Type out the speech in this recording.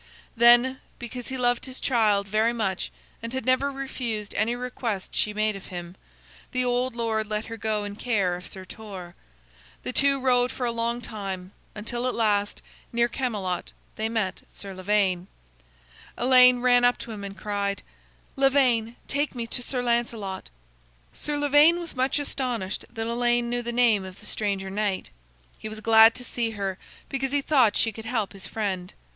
Then, because he loved his child very much and had never refused any request she made of him, the old lord let her go in care of Sir Torre. The two rode for a long time, until at last, near Camelot, they met Sir Lavaine. Elaine ran up to him and cried: "Lavaine, take me to Sir Lancelot." Sir Lavaine was much astonished that Elaine knew the name of the stranger knight. He was glad to see her, because he thought she could help his friend.